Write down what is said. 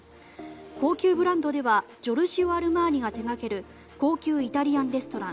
高級ブランドではジョルジオ・アルマーニが手掛ける高級イタリアンレストラン